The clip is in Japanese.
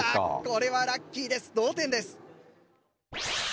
これはラッキーです同点です。